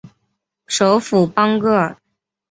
首府邦戈尔。